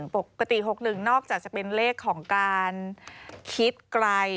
ปกติ๖๑นอกจากจะเป็นเลขของการคิดไกล